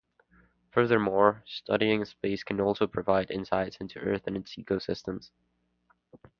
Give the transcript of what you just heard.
Furthermore, studying space can also provide insights into Earth and its ecosystems.